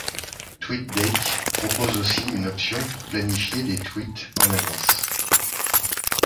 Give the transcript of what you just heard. TweetDeck propose aussi une option pour planifier des Tweets en avance.